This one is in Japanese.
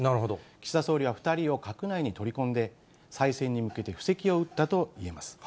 岸田総理は２人を閣内に取り込んで、再選に向けて布石を打ったといえます。